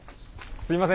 すいません